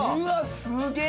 すげえ。